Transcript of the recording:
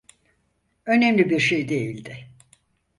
Önemli bir şey değildi.